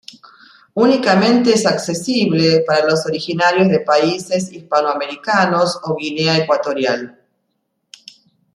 Únicamente es accesible para los originarios de países hispanoamericanos o Guinea Ecuatorial.